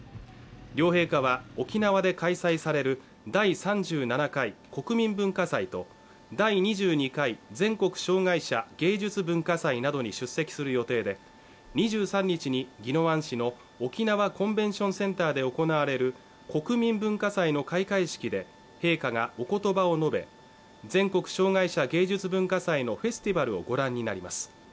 両陛下は沖縄で開催される第３７回国民文化祭と第２２回全国障害者芸術・文化祭などに出席する予定で２３日に宜野湾市の沖縄コンベンションセンターで行われる国民文化祭の開会式で陛下がおことばを述べ全国障害者芸術・文化祭のフェスティバルをご覧になります